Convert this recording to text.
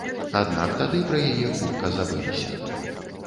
Аднак тады пра яе хутка забыліся.